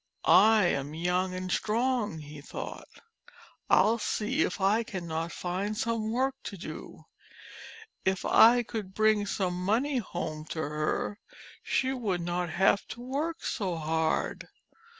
"I am young and strong," he thought. "I '11 see if I cannot find some work to do. If I could bring some money home to her, she would not have to work so hard."